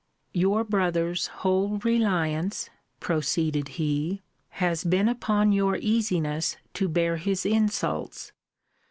Your brother's whole reliance, proceeded he, has been upon your easiness to bear his insults.